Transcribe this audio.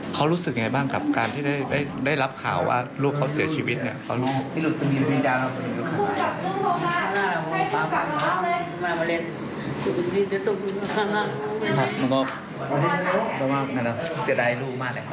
เขารู้สึกยังไงบ้างกับการที่ได้รับข่าวว่าลูกเขาเสียชีวิตเนี่ย